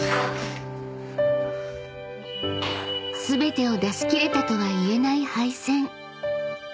［全てを出し切れたとは言えない敗戦］